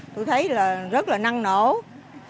tôi thấy là rất là năng năng